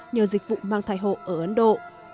nhờ dịch vụ mang thai hộ ở ấn độ